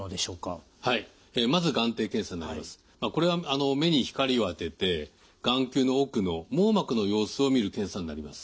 これは目に光を当てて眼球の奥の網膜の様子をみる検査になります。